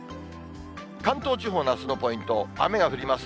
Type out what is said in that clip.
関東地方のあすのポイント、雨が降ります。